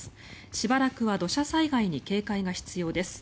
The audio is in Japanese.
しばらくは土砂災害に警戒が必要です。